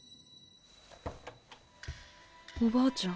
おばあちゃん。